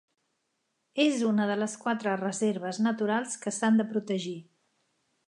És una de les quatre reserves natural que s'han de protegir.